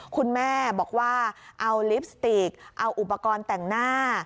คุณแม่บอกว่าเอาลิปสติกเอาอุปกรณ์แต่งหน้า